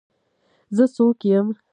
زه څوک يم.